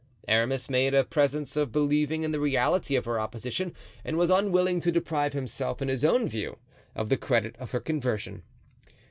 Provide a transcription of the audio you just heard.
Aramis made a presence of believing in the reality of her opposition and was unwilling to deprive himself in his own view of the credit of her conversion.